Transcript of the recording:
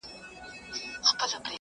قضاوت مي درباریانو ته پرېږدمه